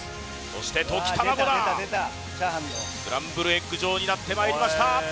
そして溶き卵だスクランブルエッグ状になってまいりました